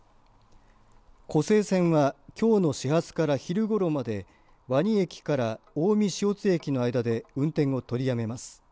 湖西線はきょうの始発から昼ごろまで和邇駅から近江塩津駅の間で運転を取りやめます。